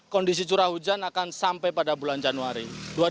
kondisi curah hujan akan sampai pada bulan januari dua ribu dua puluh